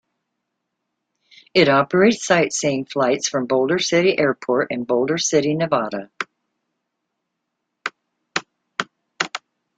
It operates sightseeing flights from Boulder City Airport in Boulder City, Nevada.